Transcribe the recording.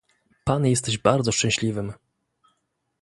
"pan jesteś bardzo szczęśliwym!"